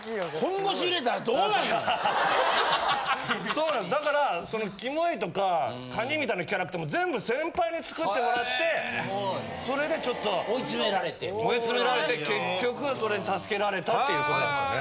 そうなんですだからそのキモいとかカニみたいなキャラクターも全部先輩に作ってもらってそれでちょっと。追い詰められて。追い詰められて結局それに助けられたっていう事なんですね。